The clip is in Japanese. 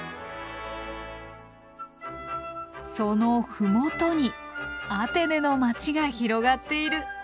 その麓にアテネの街が広がっている。